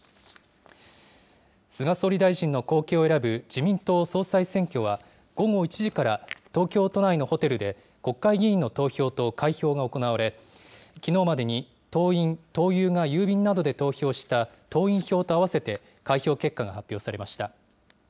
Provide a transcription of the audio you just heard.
菅総理大臣の後継を選ぶ自民党総裁選挙は、午後１時から東京都内のホテルで、国会議員の投票と開票が行われ、きのうまでに党員・党友が郵便などで投票した党員票と合わせて開票結果が発表されました。